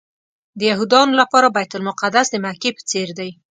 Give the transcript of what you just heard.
د یهودانو لپاره بیت المقدس د مکې په څېر دی.